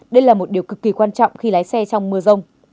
đây là một điều cực kỳ quan trọng khi lái xe trong mưa rông